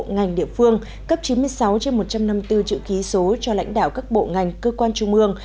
ngành địa phương cấp chín mươi sáu trên một trăm năm mươi bốn chữ ký số cho lãnh đạo các bộ ngành cơ quan trung ương